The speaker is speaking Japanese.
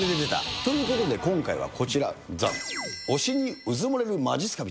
ということで今回はこちら、ざん、推しにうずもれるまじっすか人。